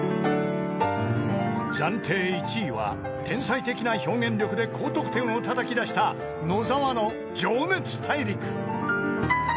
［暫定１位は天才的な表現力で高得点をたたき出した野澤の『情熱大陸』］